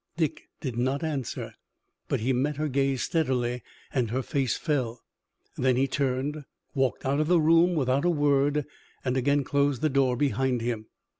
Dick did not answer, but he met her gaze steadily, and her face fell. Then he turned, walked out of the room without a word, and again closed the door behind him.